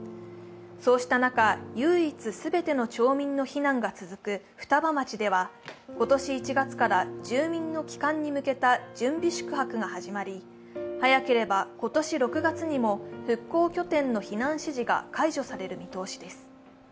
そうした中、唯一全ての町民の避難が続く双葉町では今年１月から住民の帰還に向けた準備宿泊が始まり早ければ今年６月にも復興拠点の避難指示が解除される見通しです。